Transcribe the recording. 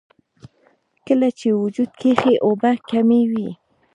کله چې وجود کښې اوبۀ کمې وي